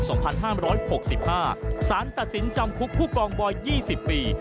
สารตัดสินจำคุกผู้กองบอย๒๐ปี